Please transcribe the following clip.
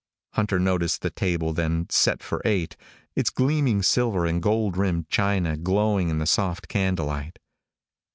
Hunter noticed the table, then, set for eight, its gleaming silver and gold rimmed china glowing in the soft candle light.